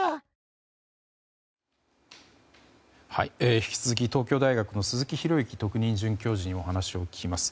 引き続き東京大学の鈴木啓之特任准教授にお話を聞きます。